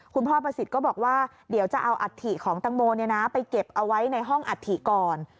พ่อประสิทธิ์ก็บอกว่าเดี๋ยวจะเอาอัฐิของตังโมไปเก็บเอาไว้ในห้องอัฐิก่อน